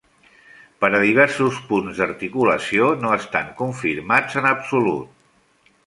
Per a diversos punts d'articulació no estan confirmats en absolut.